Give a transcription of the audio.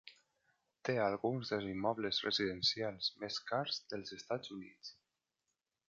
Té alguns dels immobles residencials més cars dels Estats Units.